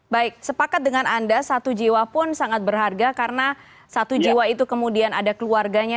baik sepakat dengan anda satu jiwa pun sangat berharga karena satu jiwa itu kemudian ada keluarganya